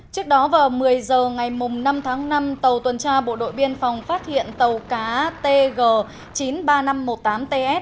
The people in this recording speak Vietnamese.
trước đó vào một mươi h ngày năm tháng năm tàu tuần tra bộ đội biên phòng phát hiện tàu cá tg chín mươi ba nghìn năm trăm một mươi tám ts